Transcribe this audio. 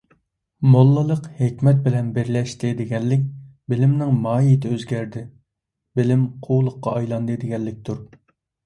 «موللا»لىق «ھېكمەت» بىلەن بىرلەشتى، دېگەنلىك بىلىمنىڭ ماھىيتى ئۆزگەردى، بىلىم قۇۋلۇققا ئايلاندى دېگەنلىكتۇر.